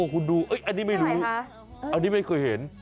คุณดูเอ้ยอันนี้ไม่รู้อะไรคะอันนี้ไม่เคยเห็น